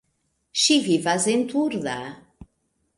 Ŝi vivas en Turda.